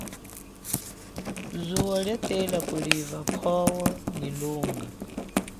Zuwo lia tela kuliva pwowo nyi lunga.